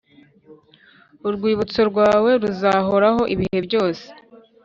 Urwibutso rwawe ruzahoraho ibihe byose